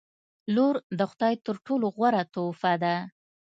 • لور د خدای تر ټولو غوره تحفه ده.